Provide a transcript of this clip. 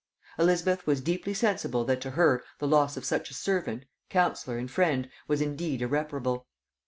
Elizabeth was deeply sensible that to her the loss of such a servant, counsellor, and friend was indeed irreparable.